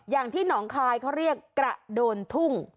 อย่างที่หนองคายเขาเรียกกระโดนทุ่ง